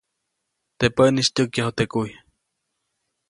Teʼ päʼnis tyäkyaju teʼ kuy.